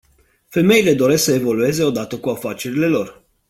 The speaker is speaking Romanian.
Femeile doresc să evolueze odată cu afacerile lor.